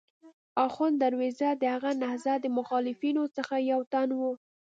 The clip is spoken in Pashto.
اخوند درویزه د هغه نهضت د مخالفینو څخه یو تن و.